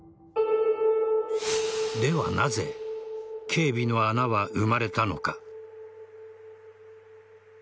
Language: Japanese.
ではなぜ警備の穴は生まれたのか。